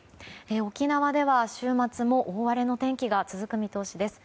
沖縄では週末も大荒れの天気が続く見通しです。